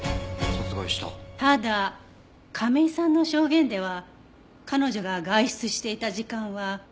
ただ亀井さんの証言では彼女が外出していた時間は。